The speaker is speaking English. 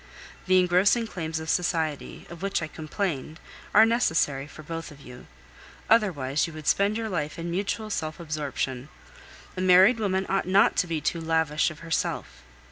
The engrossing claims of society, of which I complained, are necessary for both of you; otherwise you would spend your life in mutual self absorption. A married woman ought not to be too lavish of herself.